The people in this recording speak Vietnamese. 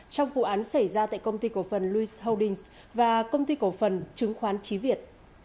trong vụ án xảy ra tại công ty cổ phần louis holdings và công ty cổ phần chứng khoán trí việt